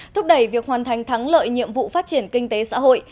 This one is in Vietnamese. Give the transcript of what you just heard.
thúc đẩy việc hoàn thành thắng lợi nhiệm vụ phát triển kinh tế xã hội